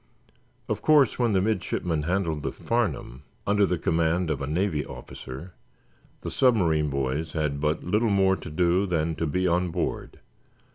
Of course, when the midshipmen handled the "Farnum," under command of a Navy officer, the submarine boys had but little more to do than to be on board.